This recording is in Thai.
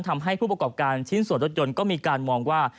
ทำให้ผู้ประกอบการชิ้นส่วนรถยนต์ก็มีการมองว่า